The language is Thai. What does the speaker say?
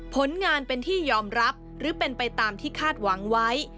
ผลงานเป็นที่ยอมรับหรือเป็นไปตามที่คาดหวังไว้